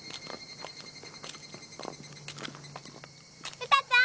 ウタちゃん！